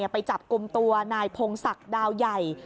ไปจับกลุ่มตัวนายพงศักดิ์ดาวใหญ่